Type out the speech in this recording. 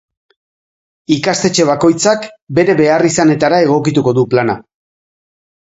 Ikastetxe bakoitzak bere beharrizanetara egokituko du plana.